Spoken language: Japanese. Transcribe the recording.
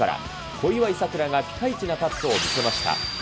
小祝さくらがピカイチなパットを見せました。